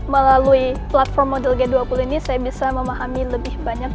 melalui platform model g dua puluh ini saya bisa memahami lebih banyak